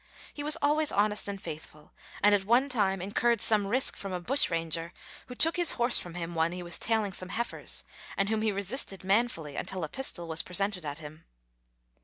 He was always honest and faithful, and at one time incurred some risk from a bushranger, who took his horse from him when he was tailing some heifers, and whom he resisted manfully until a pistol was presented at him.